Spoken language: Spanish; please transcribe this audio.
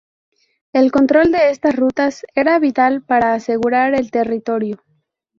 El control de estas rutas era vital para asegurar el territorio.